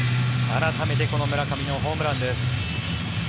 改めてこの村上のホームランです。